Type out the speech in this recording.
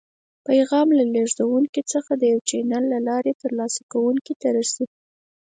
پیغام له لیږدونکي څخه د یو چینل له لارې تر لاسه کوونکي ته رسي.